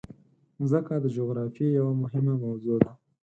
مځکه د جغرافیې یوه مهمه موضوع ده.